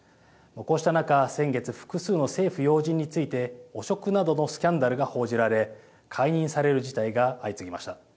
こうした中、先月複数の政府要人について汚職などのスキャンダルが報じられ解任される事態が相次ぎました。